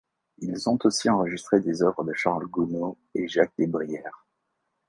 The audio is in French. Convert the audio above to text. Ils ont aussi enregistré des œuvres de Charles Gounod et Jacques Desbrière.